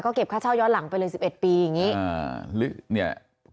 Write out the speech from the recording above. ก็เอาเปลืองละ๓๕๔๑๐ปีอย่างนี้